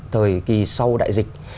thời kỳ sau đại dịch